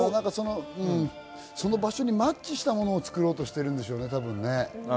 その場所にマッチしたものを作ろうとしてるんですね、多分ね。